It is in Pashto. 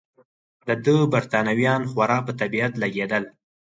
د ده بریتانویان خورا په طبیعت لګېدل.